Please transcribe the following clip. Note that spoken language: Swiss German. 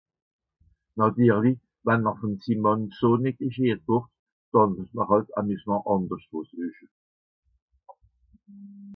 Nàtirlich, wenn m’r vùn sim Mànn eso neglischiert wùrd, ze muess m’r hàlt ’s Amusement àndersch wo sueche.